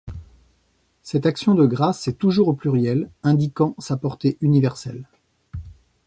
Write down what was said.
Cette action de grâce est toujours au pluriel, indiquant sa portée universelle.